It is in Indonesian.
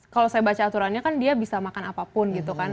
kalau saya baca aturannya kan dia bisa makan apapun gitu kan